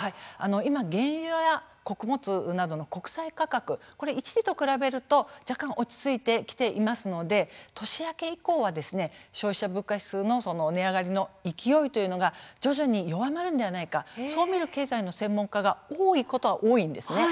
今、原油や穀物などの国際価格、これ一時と比べると若干落ち着いてきていますので年明け以降は消費者物価指数の値上がりの勢いというのが徐々に弱まるのではないかそう見る経済の専門家が多いことは多いんですね。